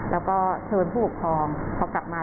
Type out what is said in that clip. เราก็เชิญผู้ปกครองพอกลับจากง่าย